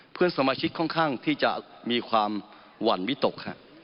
เพื่อนสมาชิกค่อนข้างที่จะมีความหวั่นวิตก